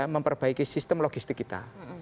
memperbaiki sistem logistik kita